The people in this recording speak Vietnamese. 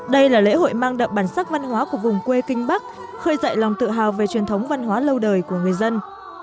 đây là lễ hội mang đậm bản sắc văn hóa của vùng quê kinh bắc khơi dậy lòng tự hào về truyền thống văn hóa lâu đời của người dân